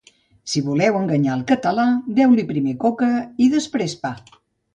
Si voleu enganyar el català, deu-li primer coca i després pa.